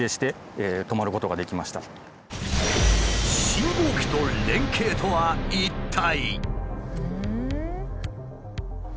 信号機と連携とは一体？